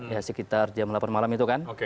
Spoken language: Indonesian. ya sekitar jam delapan malam itu kan